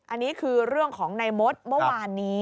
อันนี้คือเรื่องของในมดเมื่อวานนี้